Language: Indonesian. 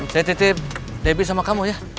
saya titip debbie sama kamu ya